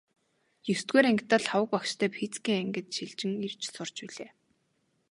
Есдүгээр ангидаа Лхагва багштай физикийн ангид шилжин ирж сурч билээ.